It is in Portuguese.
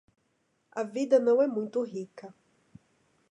A vida não é muito rica